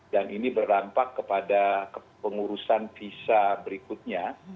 dan ini berdampak kepada pengurusan visa berikutnya